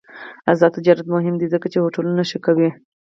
آزاد تجارت مهم دی ځکه چې هوټلونه ښه کوي.